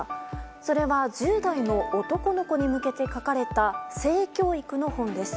それは１０代の男の子に向けて書かれた性教育の本です。